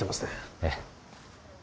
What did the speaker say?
ええ